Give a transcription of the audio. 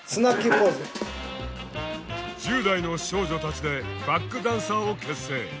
１０代の少女たちでバックダンサーを結成。